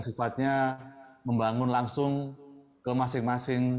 sifatnya membangun langsung ke masing masing